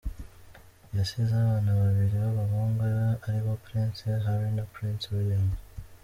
Yasize abana babiri b’abahungu, aribo Prince Harry na Prince Williams.